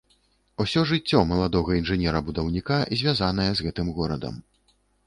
Усё жыццё маладога інжынера-будаўніка звязанае з гэтым горадам.